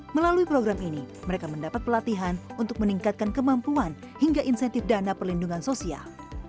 melalui program ini mereka mendapat pelatihan untuk meningkatkan kemampuan hingga insentif dana perlindungan sosial